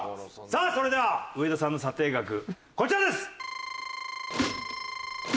さあそれでは上田さんの査定額こちらです！